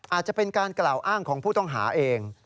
อาจจะเป็นการกล่าวอ้างของผู้ต้องหาเอง